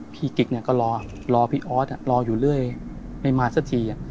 กิ๊กก็รอพี่ออสรออยู่เรื่อยไม่มาสักที